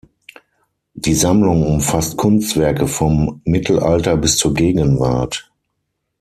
Die Sammlung umfasst Kunstwerke vom Mittelalter bis zur Gegenwart.